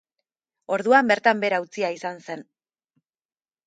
Orduan bertan behera utzia izan zen.